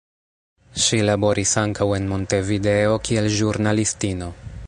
Ŝi laboris ankaŭ en Montevideo kiel ĵurnalistino.